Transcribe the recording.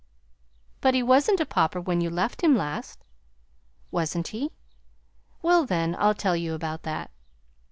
"But he wasn't a Pauper when you left him last." "Wasn't he? Well, then, I'll tell you about that.